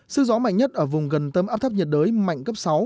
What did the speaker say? sức gió mạnh nhất ở vùng gần tâm áp thấp nhiệt đới mạnh cấp sáu